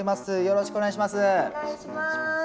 よろしくお願いします。